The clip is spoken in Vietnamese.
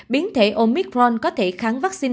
biến thể omicron có thể kháng vaccine